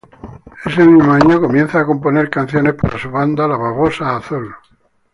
Ese mismo año comienza a componer canciones para su banda La Babosa Azul.